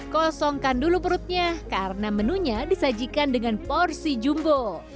kosongkan dulu perutnya karena menunya disajikan dengan porsi jumbo